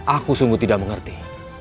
aku sungguh tidak mengerti